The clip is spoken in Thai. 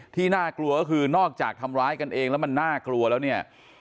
น่ากลัวก็คือนอกจากทำร้ายกันเองแล้วมันน่ากลัวแล้วเนี่ย